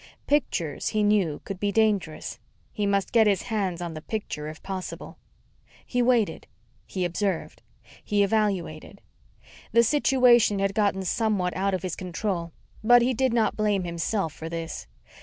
Pictures, he knew, could be dangerous. He must get his hands on the picture, if possible. He waited. He observed. He evaluated. The situation had gotten somewhat out of his control, but he did not blame himself for this.